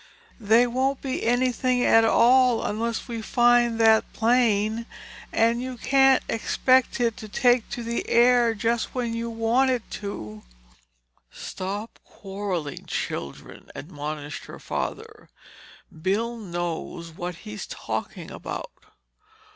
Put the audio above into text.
"They won't be anything at all unless we find that plane and you can't expect it to take the air just when you want it to!" "Stop quarreling, children," admonished her father. "Bill knows what he is talking about."